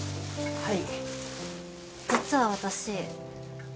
はい。